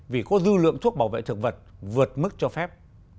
vì có dư lượng thuốc bảo vệ thực vật vượt mức cho phép